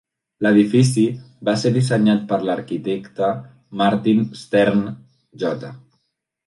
L'edifici va ser dissenyat per l'arquitecte Martin Stern, J.